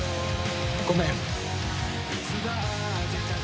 ごめん。